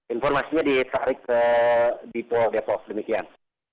informasinya ditarik ke dipo depok demikian